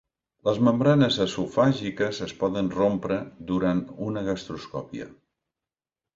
Les membranes esofàgiques es poden rompre durant una gastroscòpia.